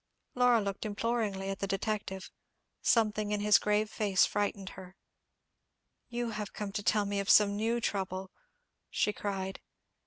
Laura looked imploringly at the detective. Something in his grave face frightened her. "You have come to tell me of some new trouble," she cried.